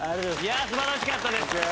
素晴らしかったです。